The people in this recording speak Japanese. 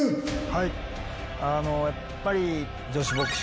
はい。